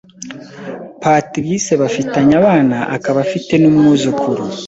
Patrice bafitanye abana akaba afite n’umwuzukuru